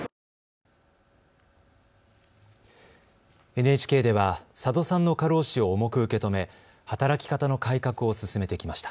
ＮＨＫでは、佐戸さんの過労死を重く受け止め働き方の改革を進めてきました。